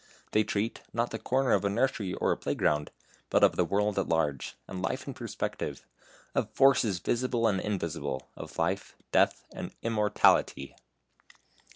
They treat, not of the corner of a nursery or a playground, but of the world at large, and life in perspective; of forces visible and invisible; of Life, Death, and Immortality.